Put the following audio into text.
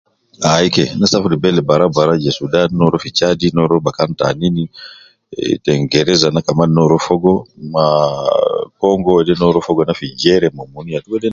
Ai ke, ana safir fi bele barau barau je Sudan, ne rua fi chad ,ne rua bakan tanin eh kingereza na kaman ne rua fogo ma, Congo de ne rua fogo fi jere ma mun yatu